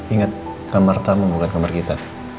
ingat kamar tamu bukan kamar kita